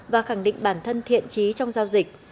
và khẳng định bản thân thiện trí trong giao dịch